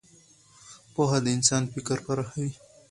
پوهه د انسان فکر پراخوي.